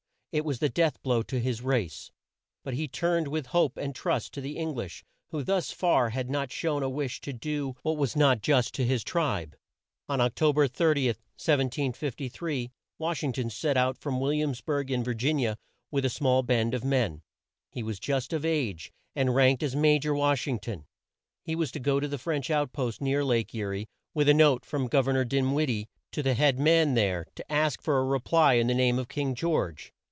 It was the death blow to his race. But he turned with hope and trust to the Eng lish, who thus far had not shown a wish to do what was not just to his tribe. On Oc to ber 30, 1753, Wash ing ton set out from Will iams burg in Vir gin i a with a small band of men. He was just of age, and ranked as Ma jor Wash ing ton. He was to go to the French out post near Lake E rie, with a note from Gov er nor Din wid die to the head man there, and to ask for a re ply in the name of King George.